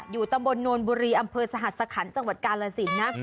อยู่ตำบลโนนบุรีอำเภอสหัสสคันจังหวัดกาลสินนะ